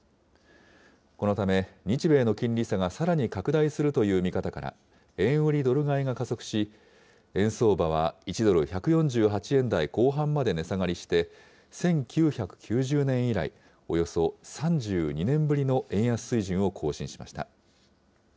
このため、日米の金利差がさらに拡大するという見方から、円売りドル買いが加速し、円相場は１ドル１４８円台後半まで値下がりして、１９９０年以来、およそ３２年ぶりの円安水準を更新しました。